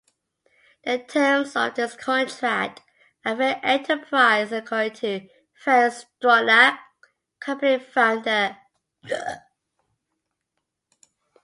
The terms of this contract are "fair enterprise" according to Frank Stronach, company founder.